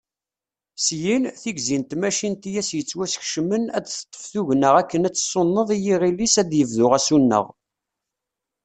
Syin, tigzi n tmacint i as-yettwaskecmen ad d-teṭṭef tugna akken ad tsuneḍ i yiɣil-is ad yebdu asuneɣ.